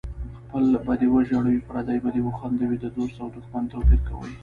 خپل به دې وژړوي پردی به دې وخندوي د دوست او دښمن توپیر کوي